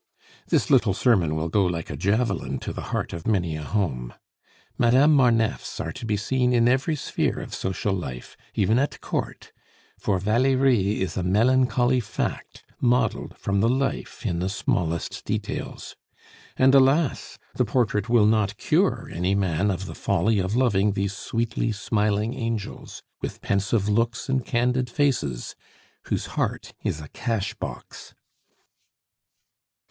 This little sermon will go like a javelin to the heart of many a home. Madame Marneffes are to be seen in every sphere of social life, even at Court; for Valerie is a melancholy fact, modeled from the life in the smallest details. And, alas! the portrait will not cure any man of the folly of loving these sweetly smiling angels, with pensive looks and candid faces, whose heart is a cash box.